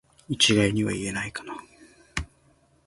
一概には言えないかな